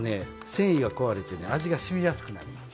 繊維が壊れてね味がしみやすくなります。